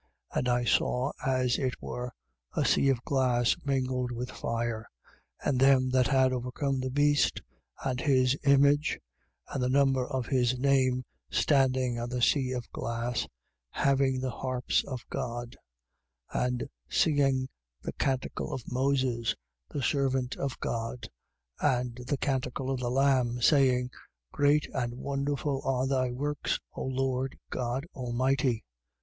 15:2. And I saw as it were a sea of glass mingled with fire: and them that had overcome the beast and his image and the number of his name, standing on the sea of glass, having the harps of God: 15:3. And singing the canticle of Moses, the servant of God, and the canticle of the Lamb, saying: Great and wonderful are thy works, O Lord God Almighty.